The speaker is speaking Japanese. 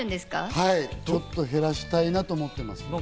はい、ちょっと減らしたいなと思ってます。